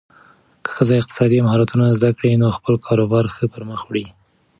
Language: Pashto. که ښځه اقتصادي مهارتونه زده کړي، نو خپل کاروبار ښه پرمخ وړي.